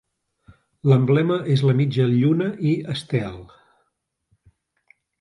L'emblema és la mitja lluna i estel.